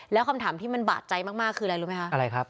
แล้วคำถามที่มันบาดใจมากคืออะไรรู้ไหมคะ